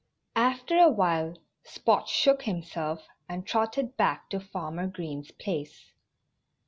After a while Spot shook himself and trotted back to Farmer Green's place.